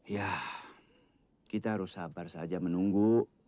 ya kita harus sabar saja menunggu